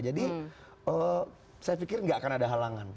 jadi saya pikir gak akan ada halangan